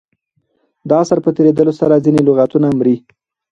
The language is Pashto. د عصر په تېرېدلو سره ځیني لغتونه مري.